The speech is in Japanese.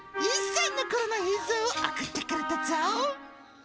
１歳のころの映像を送ってくれたぞ。